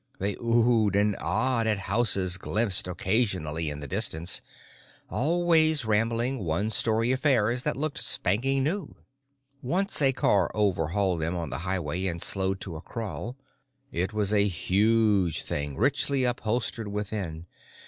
They oohed and aahed at houses glimpsed occasionally in the distance—always rambling, one story affairs that looked spanking new. Once a car overhauled them on the highway and slowed to a crawl. It was a huge thing, richly upholstered within.